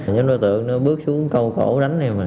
nhóm đối tượng nó bước xuống cầu cổ đánh em rồi